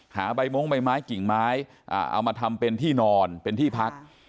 ใบมงใบไม้กิ่งไม้เอามาทำเป็นที่นอนเป็นที่พัก